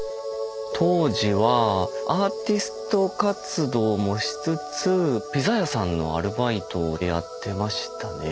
当時はアーティスト活動もしつつピザ屋さんのアルバイトをやってましたね。